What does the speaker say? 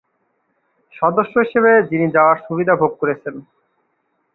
সদস্য হিসেবে যিনি হওয়ার সুবিধা ভোগ করছেন।